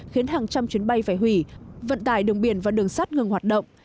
khiến hàng trăm chuyến bay phải hủy vận tải đường biển và đường sắt ngừng hoạt động